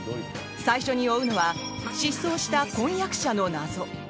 最初に追うのは失踪した婚約者の謎。